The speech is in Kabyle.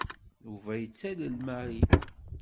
Yuba yettalel Mary.